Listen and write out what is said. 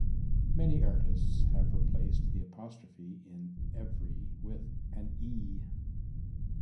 Many artists have replaced the apostrophe in "ev'ry" with an "e".